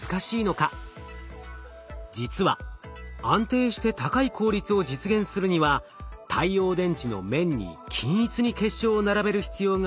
実は安定して高い効率を実現するには太陽電池の面に均一に結晶を並べる必要があります。